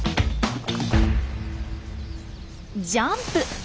ジャンプ。